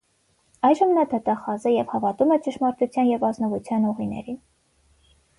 Այժմ նա դատախազ է և հավատում է ճշմարտության և ազնվության ուղիներին։